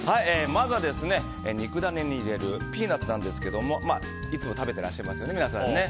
まずは肉ダネに入れるピーナツなんですけどいつも食べていらっしゃいますよね皆さん。